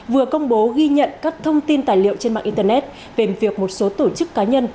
vừa công bố ghi nhận các thông tin tài liệu trên mạng internet về việc một số tổ chức cá nhân